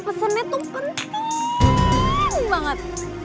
pesennya tuh penting banget